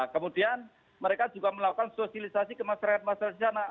kemudian mereka juga melakukan sosialisasi ke masyarakat masyarakat di sana